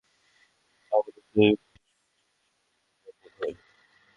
আপাতত এই উপদেশ খুব যুক্তিসঙ্গত বলিয়া বোধ হয়।